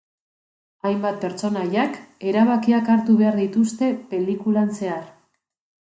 Hainbat pertsonaiak erabakiak hartu behar dituzte pelikulan zehar.